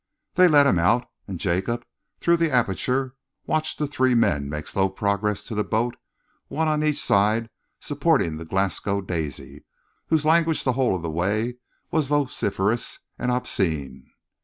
They let him out, and Jacob, through the aperture, watched the three men make slow progress to the boat, one on each side supporting the Glasgow Daisy, whose language the whole of the way was vociferous and obscene.